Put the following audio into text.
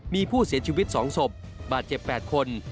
มีผู้เสียชีวิต๒ศพบาดเจ็บ๘คน